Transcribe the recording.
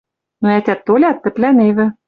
Но ӓтят толят, тӹплӓневӹ